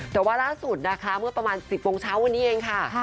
แต่ว่าล่าสุดนะคะเมื่อประมาณ๑๐โมงเช้าวันนี้เองค่ะ